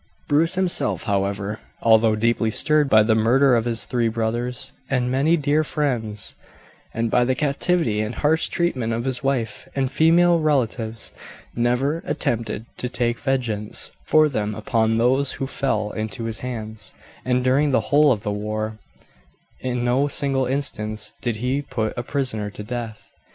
Bruce himself, however, although deeply stirred by the murder of his three brothers and many dear friends, and by the captivity and harsh treatment of his wife and female relatives, never attempted to take vengeance for them upon those who fell into his hands, and during the whole of the war in no single instance did he put a prisoner to death.